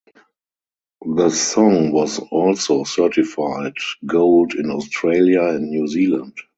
The song was also certified Gold in Australia and New Zealand.